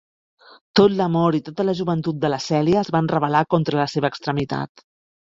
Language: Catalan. Tot l'amor i tota la joventut de la Celia es van rebel·lar contra la seva extremitat.